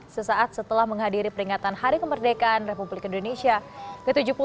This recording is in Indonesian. sesaat setelah menghadiri peringatan hari kemerdekaan republik indonesia ke tujuh puluh dua